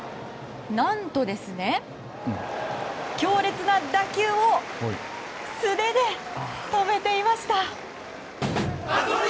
何と、強烈な打球を素手で止めていました。